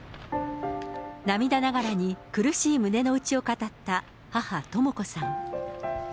涙ながらに、苦しい胸の内を語った母、とも子さん。